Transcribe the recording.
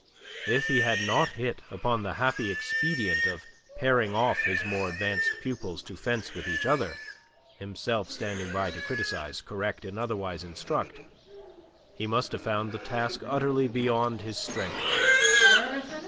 If he had not hit upon the happy expedient of pairing off his more advanced pupils to fence with each other, himself standing by to criticize, correct and otherwise instruct, he must have found the task utterly beyond his strength.